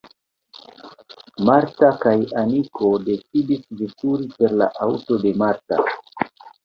Marta kaj Aniko decidis veturi per la aŭto de Marta.